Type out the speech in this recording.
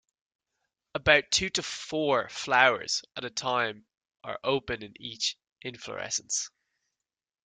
About two to four flowers at a time are open in each inflorescence.